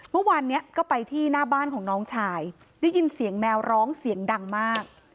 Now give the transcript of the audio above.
เมื่อวานนี้ก็ไปที่หน้าบ้านของน้องชายได้ยินเสียงแมวร้องเสียงดังมาก